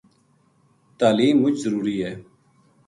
تعلیم مچ ضروری ہے۔